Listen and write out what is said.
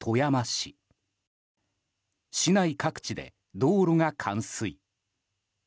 市内各地で道路が冠水。